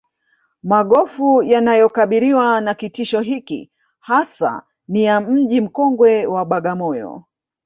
Magofu yanayokabiriwa na kitisho hiki hasa ni ya Mji mkongwe wa Bagamoyo